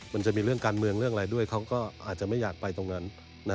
มันจะมีเรื่องการเมืองเรื่องอะไรด้วยเขาก็อาจจะไม่อยากไปตรงนั้น